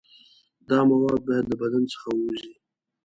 دا مواد باید له بدن څخه ووځي.